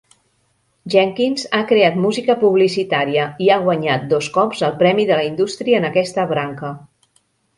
Jenkins ha creat música publicitària, i ha guanyat dos cops el premi de la indústria en aquesta branca.